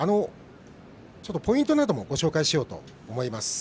ポイントなどもご紹介しようと思います。